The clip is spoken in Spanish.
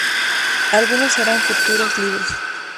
Algunos serán futuros libros.